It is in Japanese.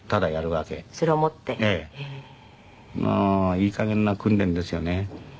いい加減な訓練ですよね。